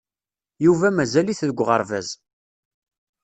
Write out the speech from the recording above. Yuba mazal-it deg uɣerbaz.